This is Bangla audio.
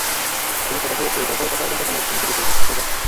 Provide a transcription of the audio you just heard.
সমীক্ষায় দেখা গেছে, গড়পড়তা চার ঘণ্টা সময় স্ক্রিনের দিকে চেয়ে থাকে কিশোররা।